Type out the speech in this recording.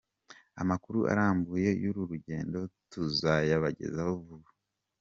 Amakuru arambuye y’uru rugendo tuzayabagezaho vuba.